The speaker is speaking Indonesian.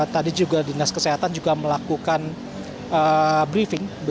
tadi juga dinas kesehatan juga melakukan briefing